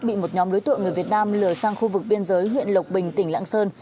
bị một nhóm đối tượng người việt nam lừa sang khu vực biên giới huyện lộc bình tỉnh lạng sơn